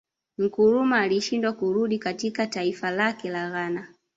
Nkrumah alishindwa kurudi katika taifa lake la Ghana